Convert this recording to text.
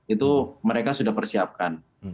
itu mereka sudah menyiapkan